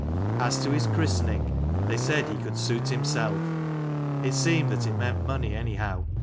As to his christening, they said he could suit himself; it seemed that it meant money any how.